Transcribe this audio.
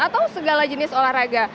atau segala jenis olahraga